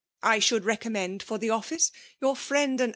I ahoald recommend for the office yonr fiiend and a!